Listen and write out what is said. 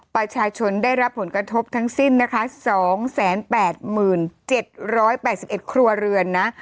ประชาชนได้รับผลกระทบทั้งสิ้นนะคะ๒๘๗๘๑ครัวเรือนนะ